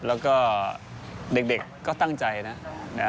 แล้วก็เด็กก็ตั้งใจนะ